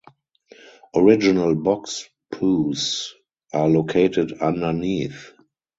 Original box pews are located underneath.